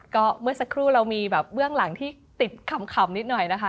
ก็เมื่อสักครู่เรามีแบบเบื้องหลังที่ติดขำนิดหน่อยนะคะ